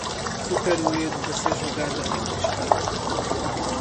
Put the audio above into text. Supere o medo de ser julgada e criticada